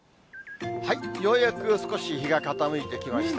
ようやく少し日が傾いてきました。